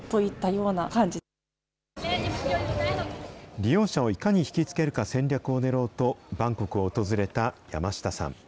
利用者をいかに引き付けるか戦略を練ろうと、バンコクを訪れた山下さん。